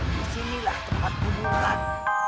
disinilah tempat kudukan